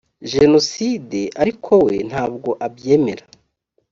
jenoside ariko we ntabwo abyemera